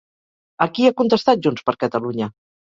A qui ha contestat Junts per Catalunya?